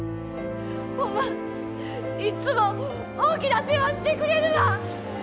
ホンマいっつも大きなお世話してくれるわ！